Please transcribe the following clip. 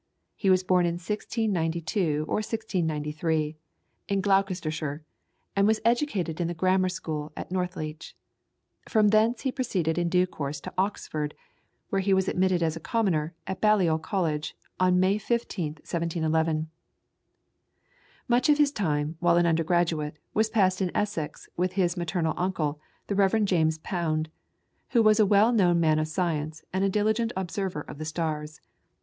He was born in 1692 or 1693, at Sherbourne, in Gloucestershire, and was educated in the Grammar School at Northleach. From thence he proceeded in due course to Oxford, where he was admitted a commoner at Balliol College, on March 15th, 1711. Much of his time, while an undergraduate, was passed in Essex with his maternal uncle, the Rev. James Pound, who was a well known man of science and a diligent observer of the stars.